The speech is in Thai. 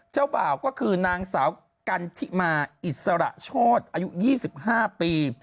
เจ้าบ่าวก็คือนางสาวกันทิมาอิสระโชธอายุ๒๕ปี